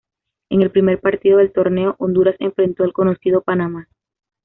En el primer partido del torneo, Honduras enfrentó al conocido Panamá.